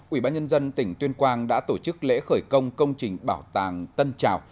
ủy ban nhân dân tỉnh tuyên quang đã tổ chức lễ khởi công công trình bảo tàng tân trào